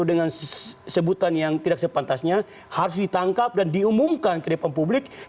dengan sebutan yang tidak sepantasnya harus ditangkap dan diumumkan ke depan publik